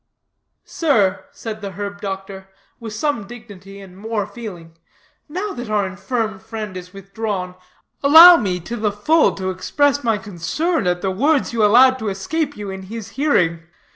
"Sir," said the herb doctor, with some dignity and more feeling, "now that our infirm friend is withdrawn, allow me, to the full, to express my concern at the words you allowed to escape you in his hearing.